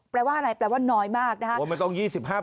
แปลว่าไหนแปลว่าน้อยมากพูดไว้ตก๒๕นะครับ